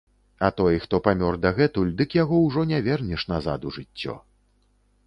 А той, хто памёр дагэтуль, дык яго ўжо не вернеш назад у жыццё.